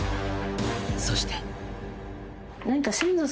そして。